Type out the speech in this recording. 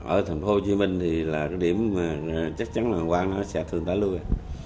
ở thành phố hồ chí minh thì là điểm chắc chắn là quang nó sẽ thương tái luôn